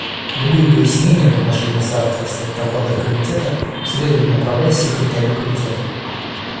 Любые пояснения в отношении соавторства в докладах Комитета следует направлять Секретарю Комитета.